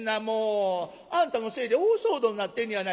あんたのせいで大騒動になってんねやないか。